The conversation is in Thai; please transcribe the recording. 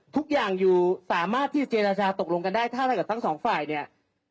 ทุกอย่างอยู่สามารถที่จะเจรจาตกลงกันได้ถ้าเกิดทั้งสองฝ่ายเนี่ย